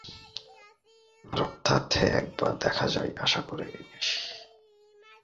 কৃষ্ণমূর্তি পারিবারিক বন্ধু হলেও নিয়ম রক্ষার্থে একবার দেখা করেই আসি।